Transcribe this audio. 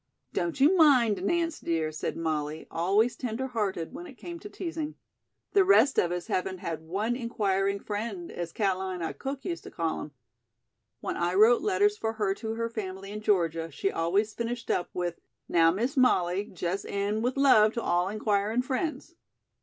"Don't you mind, Nance, dear," said Molly, always tender hearted when it came to teasing. "The rest of us haven't had one 'inquiring friend,' as Ca'line, our cook, used to call them. When I wrote letters for her to her family in Georgia, she always finished up with 'Now, Miss Molly, jes' end with love to all inquirin' friends.'"